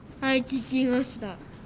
はい聴きました。